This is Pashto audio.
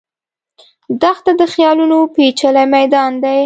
دښته د خیالونو پېچلی میدان دی.